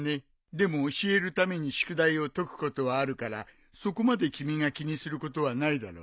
でも教えるために宿題を解くことはあるからそこまで君が気にすることはないだろう。